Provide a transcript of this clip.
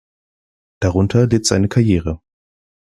Darunter litt seine Karriere.